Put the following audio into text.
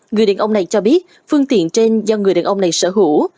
người điện ông này cho biết phương tiện trên do người điện ông này sở hữu